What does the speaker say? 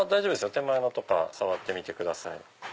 手前のとか触ってみてください。